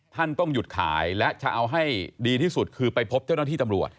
ต้องหยุดขายและจะเอาให้ดีที่สุดคือไปพบเจ้าหน้าที่ตำรวจ